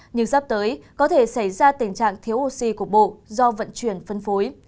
nhưng sắp tới có thể xảy ra tình trạng thiếu oxy của bộ do vận chuyển phân phối